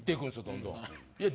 どんどん。